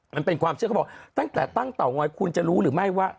มันเป็นความเชื่อเขาบอกตั้งแต่ตั้งเตางอยคุณจะรู้หรือไม่ว่า